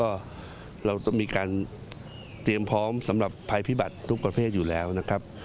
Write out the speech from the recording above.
ก็เราต้องมีการเตรียมพร้อมสำหรับภัยพิบัติทุกประเภทอยู่แล้วนะครับ